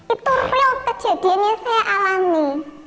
itu real kejadian yang saya alami